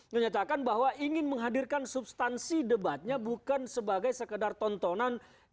menyatakan bahwa ingin menghadirkan substansi debatnya bukan sebagai sekedar tontonan